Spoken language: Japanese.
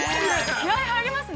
気合い入りますね。